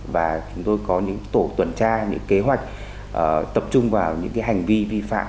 và chúng tôi có những tổ tuần tra những kế hoạch tập trung vào những hành vi vi phạm